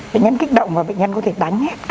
bệnh nhân kích động và bệnh nhân có thể đánh hết